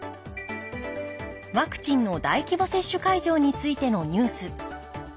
ワクチンの大規模接種会場についてのニュース。